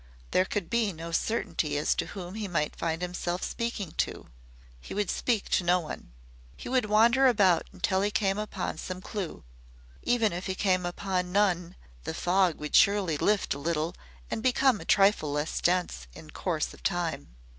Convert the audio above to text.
There could be no certainty as to whom he might find himself speaking to. He would speak to no one. He would wander about until he came upon some clew. Even if he came upon none, the fog would surely lift a little and become a trifle less dense in course of time.